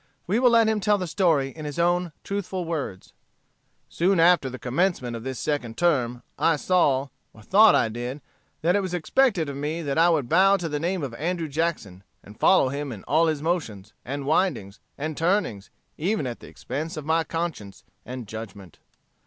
We will let him tell the story in his own truthful words: "Soon after the commencement of this second term, I saw, or thought I did, that it was expected of me that I would bow to the name of Andrew Jackson, and follow him in all his motions, and windings, and turnings, even at the expense of my conscience and judgment.